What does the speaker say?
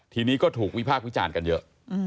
ทีนี้ก็ถูกวิพากษ์วิจารณ์กันเยอะ